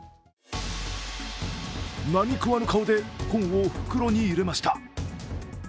何食わぬ顔で本を袋に入れました。